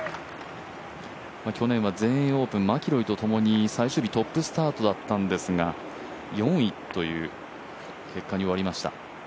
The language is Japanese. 去年は全英オープン、マキロンとともに最終日、トップスタートだったんですが４位という結果に終わりました。